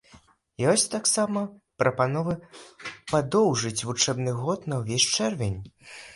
Ёсць таксама прапановы падоўжыць вучэбны год на ўвесь чэрвень.